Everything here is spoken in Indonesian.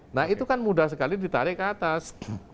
nah itu kan mudah sekali ditarik ke atas